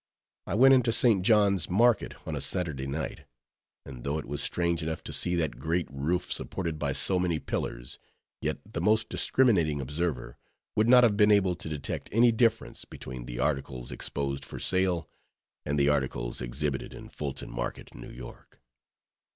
I went into St. John's Market on a Saturday night; and though it was strange enough to see that great roof supported by so many pillars, yet the most discriminating observer would not have been able to detect any difference between the articles exposed for sale, and the articles exhibited in Fulton Market, New York.